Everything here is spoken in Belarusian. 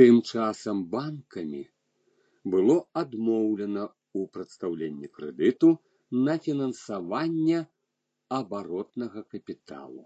Тым часам банкамі было адмоўлена ў прадстаўленні крэдыту на фінансаванне абаротнага капіталу.